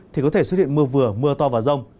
thì có thể xuất hiện mưa vừa mưa to và rông